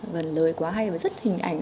phần lời quá hay và rất hình ảnh